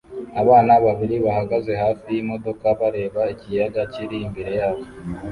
Abana babiri bahagaze hafi yimodoka bareba ikiyaga kiri imbere yabo